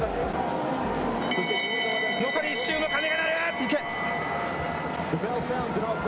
残り１周の鐘が鳴る。